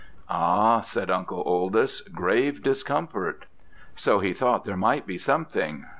_' "'Ah!' said Uncle Oldys, 'grave discomfort! So he thought there might be something.